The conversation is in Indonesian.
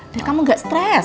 biar kamu gak stres